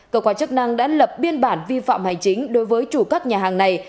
cơ quan chức năng đã lập biên bản vi phạm hành chính đối với chủ các nhà hàng này